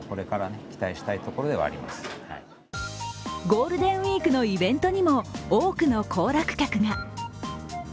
ゴールデンウイークのイベントにも多くの行楽客が。